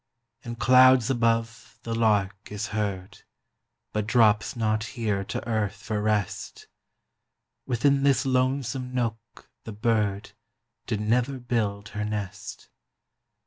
In clouds above the lark is heard, But drops not here to earth for rest; Within this lonesome nook the bird Did never build her nest.